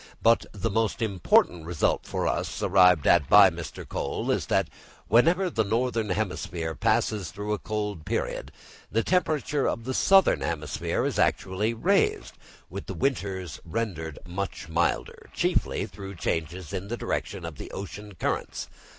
But the most important result for us, arrived at by Mr. Croll, is that whenever the northern hemisphere passes through a cold period the temperature of the southern hemisphere is actually raised, with the winters rendered much milder, chiefly through changes in the direction of the ocean currents.